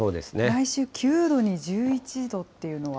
来週９度に１１度っていうのは。